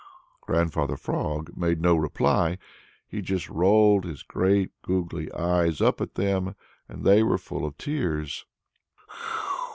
Grandfather Frog made no reply. He just rolled his great goggly eyes up at them, and they were full of tears.